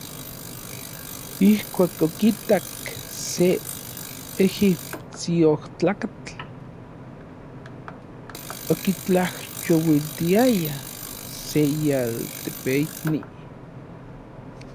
Ijkuak okitak se ejipsiojtlakatl okitlajyouiltiaya se ialtepeikni.